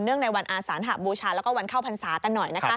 เนื่องในวันอาสานหะบูชาและวันเข้าพรรษากันหน่อย